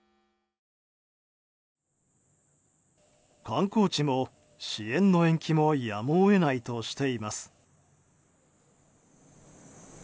観光地も、支援の延期もやむを得ないとしています。